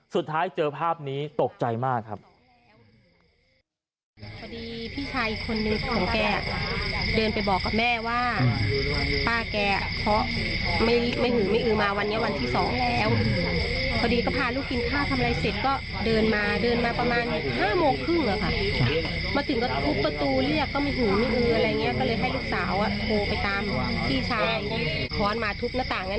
สุดท้ายเจอภาพนี้ตกใจมากครับ